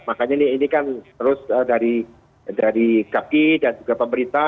makanya ini kan terus dari gapki dan juga pemerintah